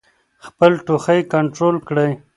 خپل ټوخی کنټرول کړئ.